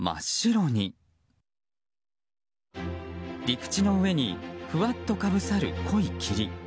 陸地の上にふわっとかぶさる濃い霧。